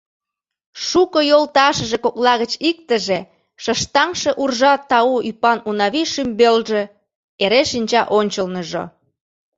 Шуко йолташыже кокла гыч иктыже — шыштаҥше уржа тау ӱпан Унавий шӱмбелже — эре шинча ончылныжо.